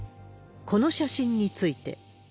この写真について。